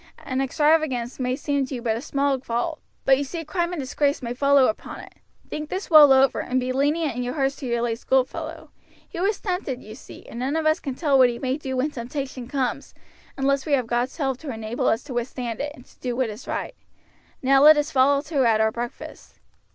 An extravagance may seem to you but a small fault, but you see crime and disgrace may follow upon it. Think this well over, and be lenient in your hearts to your late schoolfellow. He was tempted, you see, and none of us can tell what he may do when temptation comes, unless we have God's help to enable us to withstand it, and to do what is right. Now let us fall to at our breakfast."